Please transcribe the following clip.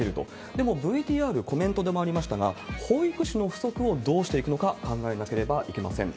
でも、ＶＴＲ、コメントでもありましたが、保育士の不足をどうしていくのか考えなきゃいけません。